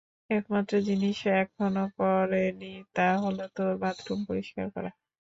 একমাত্র জিনিস এখনও করেনি তা হল তোর বাথরুম পরিষ্কার করা।